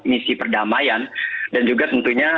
misi perdamaian dan juga tentu saja